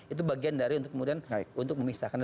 itu bagian dari untuk kemudian untuk memisahkan